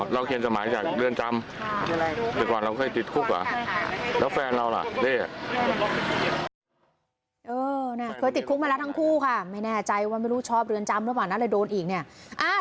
เคยติดคุกเหรอเคยติดคุกมาแล้วทั้งคู่ค่ะไม่แน่ใจว่าไม่รู้ชอบเรือนจำหรือเปล่านะเลยโดนอีกเนี่ย